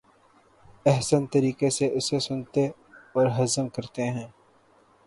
احسن طریقے سے اسے سنتے اور ہضم کرتے ہیں۔